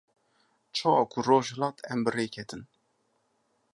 Çawa ku roj hilat em bi rê ketin.